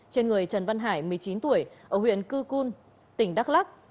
trên người trần văn hải một mươi chín tuổi ở huyện cư cun tỉnh đắk lắc